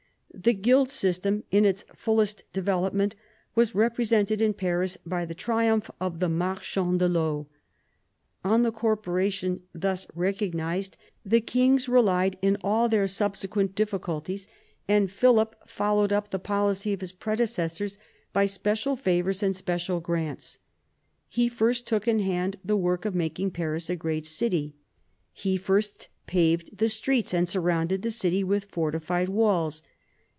The guild system in its fullest development was represented in Paris by the triumph of the marchands de Veau. On the corporation thus recognised, the kings relied in all their subsequent difficulties, and Philip followed up the policy of his predecessors by special favours and special grants. He first took in hand the work of making Paris a great city. He first paved the streets and surrounded the city with fortified walls.